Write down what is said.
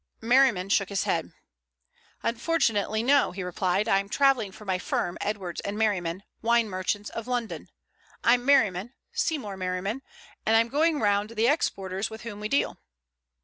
Merriman shook his head. "Unfortunately, no," he replied. "I'm travelling for my firm, Edwards & Merriman, Wine Merchants of London. I'm Merriman, Seymour Merriman, and I'm going round the exporters with whom we deal."